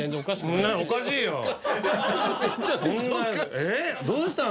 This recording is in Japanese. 「えっどうしたの？」